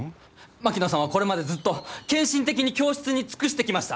槙野さんはこれまでずっと献身的に教室に尽くしてきました！